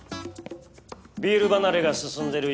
ビール離れが進んでいる